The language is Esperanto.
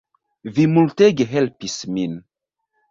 Vi multege helpis min